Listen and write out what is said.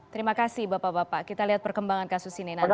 terima kasih bapak bapak kita lihat perkembangan kasus ini nanti